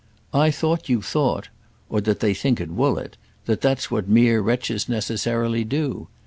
"I thought you thought—or that they think at Woollett—that that's what mere wretches necessarily do.